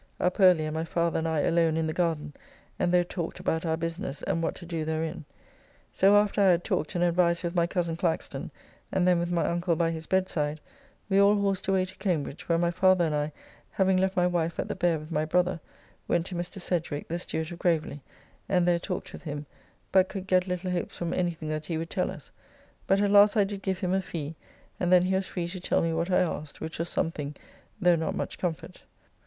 Up early, and my father and I alone into the garden, and there talked about our business, and what to do therein. So after I had talked and advised with my coz Claxton, and then with my uncle by his bedside, we all horsed away to Cambridge, where my father and I, having left my wife at the Beare with my brother, went to Mr. Sedgewicke, the steward of Gravely, and there talked with him, but could get little hopes from anything that he would tell us; but at last I did give him a fee, and then he was free to tell me what I asked, which was something, though not much comfort.